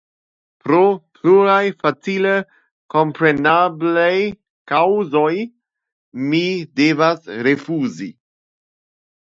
Pro pluraj facile kompreneblaj kaŭzoj mi devas rifuzi.